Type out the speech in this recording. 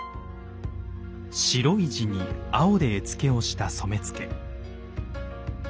白い地に青で絵付けをした染付。